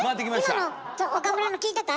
今の岡村の聞いてた？